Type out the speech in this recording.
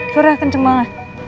surah kenceng banget